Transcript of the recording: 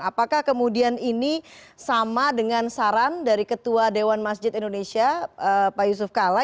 apakah kemudian ini sama dengan saran dari ketua dewan masjid indonesia pak yusuf kala